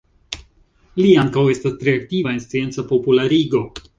Li ankaŭ estas tre aktiva en scienca popularigo.